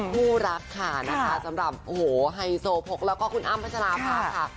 คู่รักค่ะนะคะสำหรับโอ้โหไฮโซโพกแล้วก็คุณอ้ำพัชราภาค่ะ